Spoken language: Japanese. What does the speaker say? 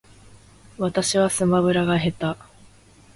私はスマブラが下手